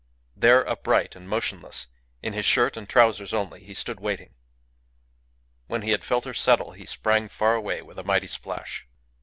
There, upright and motionless, in his shirt and trousers only, he stood waiting. When he had felt her settle he sprang far away with a mighty splash.